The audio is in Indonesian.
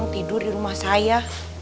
tidur di rumah saya